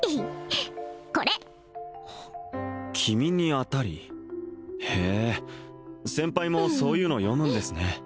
これ「君に中り」へえ先輩もそういうの読むんですね